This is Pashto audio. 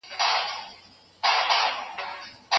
په ښوونځیو کي باید د څښاک پاکي اوبه شتون ولري.